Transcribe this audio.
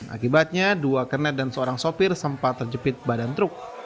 akibatnya dua kernet dan seorang sopir sempat terjepit badan truk